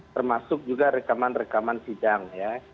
termasuk juga rekaman rekaman sidang ya